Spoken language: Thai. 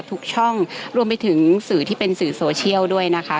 ทุกช่องรวมไปถึงสื่อที่เป็นสื่อโซเชียลด้วยนะคะ